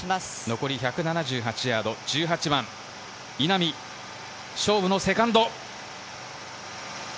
残り１７８ヤード、１８番、稲見、勝負のセカンド。